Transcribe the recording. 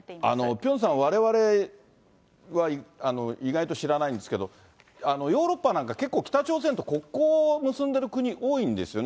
ピョンさん、われわれは意外と知らないんですけど、ヨーロッパなんか結構北朝鮮と国交を結んでる国、多いんですよね。